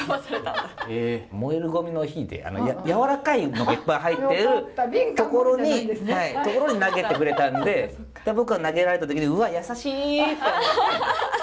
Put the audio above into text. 燃えるゴミの日で軟らかいのがいっぱい入ってる所に投げてくれたんで僕は投げられた時に「うわ優しい」って思って。